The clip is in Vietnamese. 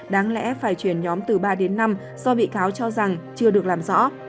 đáng lẽ phải chuyển nhóm từ ba đến năm do bị cáo cho rằng chưa được làm rõ